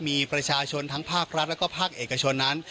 มีประชาชนทั้งภาครัฐแล้วก็ภาคเอกชนนั้น